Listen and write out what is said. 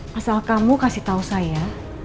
asal kamu kasih tahu saya